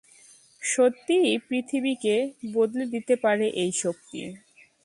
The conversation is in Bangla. সত্যিই পৃথিবীকে বদলে দিতে পারে এই শক্তি!